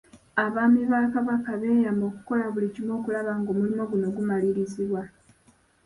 Abaami ba Kabaka beeyama okukola buli kimu okulaba ng'omulimu guno gumalirizibwa.